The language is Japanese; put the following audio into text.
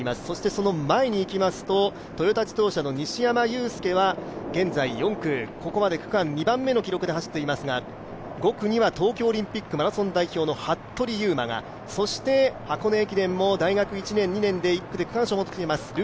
そしてその前にいきますとトヨタ自動車の西山雄介は現在４区、ここまで区間２番目の記録で走っていますが、５区には東京オリンピックマラソン代表の服部勇馬が、箱根駅伝も大学１年、２年で１区で区間賞を取っています